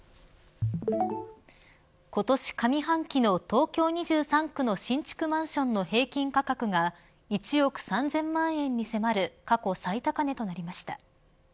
今年上半期の東京２３区の新築マンションの平均価格が１億３０００万円に迫る過去最高値となりました。